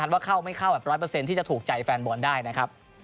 ว่าเข้าไม่เข้าแบบ๑๐๐ที่จะถูกใจแฟนบอลได้นะครับ